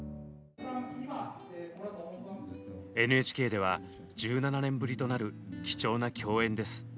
ＮＨＫでは１７年ぶりとなる貴重な共演です。